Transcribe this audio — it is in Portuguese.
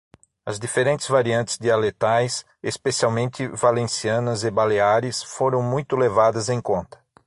As diferentes variantes dialetais, especialmente valencianas e baleares, foram muito levadas em conta.